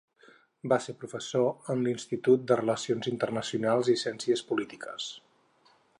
Va ser professor en l'Institut de Relacions Internacionals i Ciències Polítiques.